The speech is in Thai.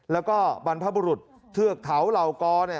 แล้วก็บรรพบุรุษเทือกเถาเหล่ากอ